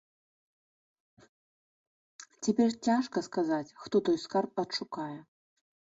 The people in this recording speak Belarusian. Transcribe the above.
Цяпер цяжка сказаць, хто той скарб адшукае.